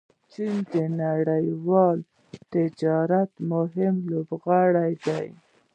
چین د نړیوال تجارت مهم لوبغاړی دی.